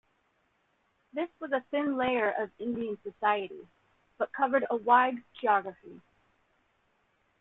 This was a thin layer of Indian society, but covered a wide geography.